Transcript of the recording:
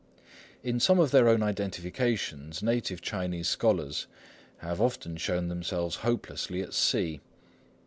In some of their own identifications native Chinese scholars have often shown themselves hopelessly at sea.